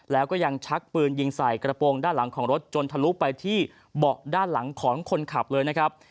แล้วก็ยังชักปืนยิงใส่กระโปรงด้านหลังของรถจนทะลุไปที่เบาะด้านหลังของคนขับเลยนะครับ